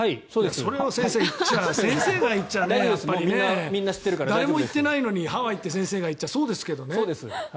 それは先生先生が言っちゃね誰も言ってないのに先生がハワイと言っちゃそうですけどね。